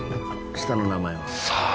下の名前はさあ